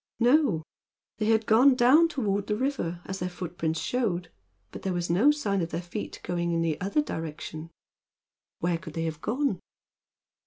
No; they had gone down toward the river, as their footprints showed, but there was no sign of their feet going in the other direction. Where could they have gone?